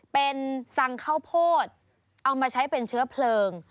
เป็นสั่งข้าวโพดเอามาใช้เป็นเชื้อเพลิง